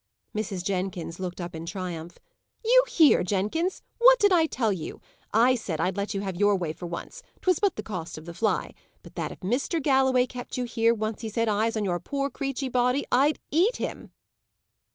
Mrs. Jenkins looked up in triumph. "You hear, Jenkins! What did I tell you? I said I'd let you have your way for once 'twas but the cost of the fly; but that if Mr. Galloway kept you here, once he set eyes on your poor creachy body, I'd eat him."